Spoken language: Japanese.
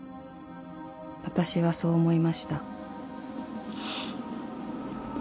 ［私はそう思いました］